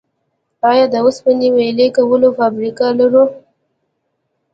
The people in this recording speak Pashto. آیا د وسپنې ویلې کولو فابریکه لرو؟